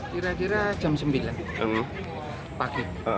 pada jam sembilan pagi